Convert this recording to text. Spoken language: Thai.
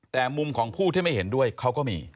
แต่มุมของผู้ที่ไม่เห็นด้วยเขาก็มี